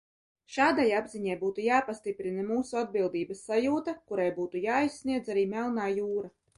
Šādai apziņai būtu jāpastiprina mūsu atbildības sajūta, kurai būtu jāaizsniedz arī Melnā jūra.